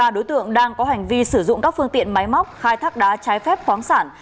ba đối tượng đang có hành vi sử dụng các phương tiện máy móc khai thác đá trái phép khoáng sản